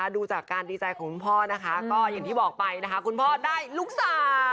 ดูจากการดีใจของคุณพ่อนะคะก็อย่างที่บอกไปนะคะคุณพ่อได้ลูกสาว